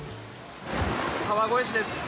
川越市です。